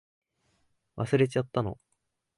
忘れちゃったの？